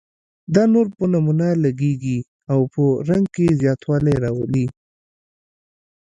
دا نور په نمونه لګیږي او په رنګ کې زیاتوالی راولي.